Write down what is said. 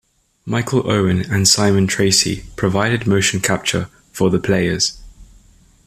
Michael Owen and Simon Tracey provided motion capture for the players.